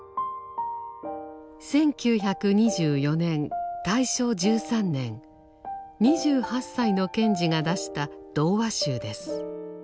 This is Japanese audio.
１９２４年大正１３年２８歳の賢治が出した童話集です。